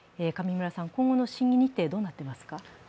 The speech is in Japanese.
今後の審議日程、どうなっていますか。